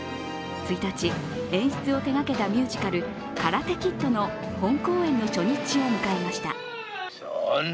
１日、演出を手がけたミュージカル「カラテ・キッド」の本公演の初日を迎えました。